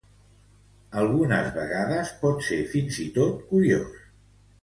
Algunes vegades pot ser fins i tot curiós.